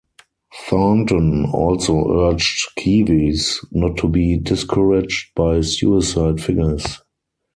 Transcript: Thornton also urged Kiwis not to be discouraged by suicide figures.